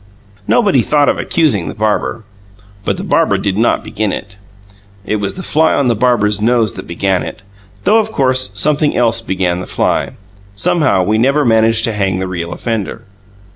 Nobody thought of accusing the barber. But the barber did not begin it; it was the fly on the barber's nose that began it though, of course, something else began the fly. Somehow, we never manage to hang the real offender.